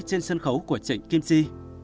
trên sân khấu của chị kim chi